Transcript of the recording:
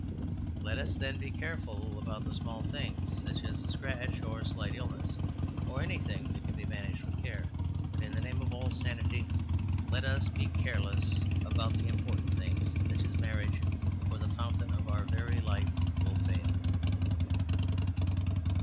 Let us, then, be careful about the small things, such as a scratch or a slight illness, or anything that can be managed with care. But in the name of all sanity, let us be careless about the important things, such as marriage, or the fountain of our very life will fail.